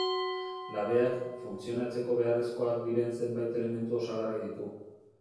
Labeak, funtzionatzeko beharrezkoak diren zenbait elementu osagarri ditu.